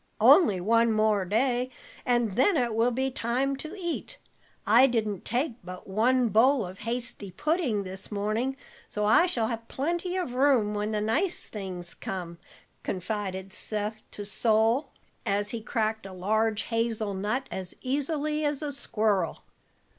"Only one more day and then it will be time to eat. I didn't take but one bowl of hasty pudding this morning, so I shall have plenty of room when the nice things come," confided Seth to Sol, as he cracked a large hazel nut as easily as a squirrel.